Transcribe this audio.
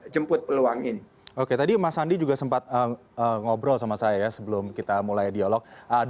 jemput peluangin oke tadi mas andi juga sempat ngobrol sama saya ya sebelum kita mulai dialog